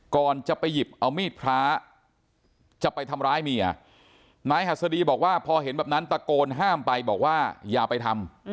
ก่อนจะไปหยิบเอามีดพระจะไปทำร้ายเมียนายหัสดีบอกว่าพอเห็นแบบนั้นตะโกนห้ามไปบอกว่าอย่าไปทำ